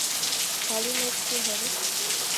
کالی مرچ کے حیرت